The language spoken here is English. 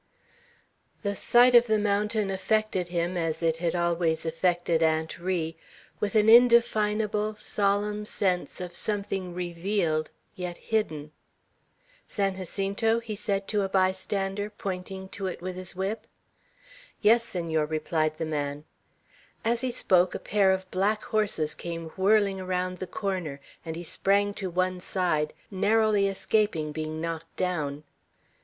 The sight of the mountain affected him, as it had always affected Aunt Ri, with an indefinable, solemn sense of something revealed, yet hidden. "San Jacinto?" he said to a bystander, pointing to it with his whip. "Yes, Senor," replied the man. As he spoke, a pair of black horses came whirling round the corner, and he sprang to one side, narrowly escaping being knocked down.